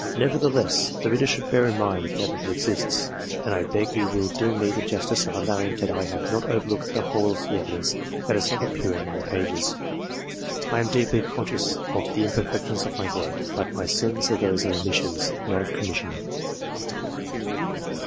Nevertheless, the reader should bear in mind that it exists ; and I beg he will do me the justice of allowing that I have not overlooked the whole of the evidence that does not appear in my pages. I am deeply conscious of the imperfection of my work, but my sins are those of omission, not of commission.